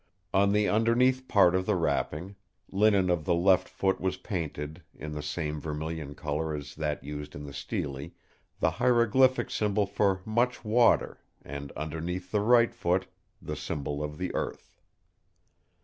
On the underneath part of the wrapping—linen of the left foot was painted, in the same vermilion colour as that used in the Stele, the hieroglyphic symbol for much water, and underneath the right foot the symbol of the earth.